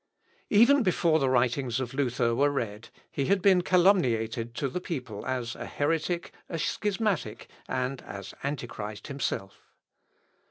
Even before the writings of Luther were read, he had been calumniated to the people as a heretic, a schismatic, and as Antichrist himself.